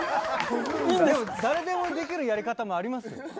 誰でもできるやり方もあります。